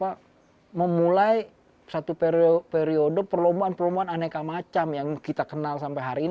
jadi ini adalah perlombaan yang memulai satu periode perlombaan perlombaan aneka macam yang kita kenal sampai hari ini